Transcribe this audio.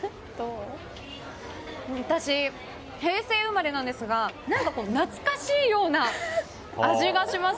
私、平成生まれなんですが懐かしいような味がします。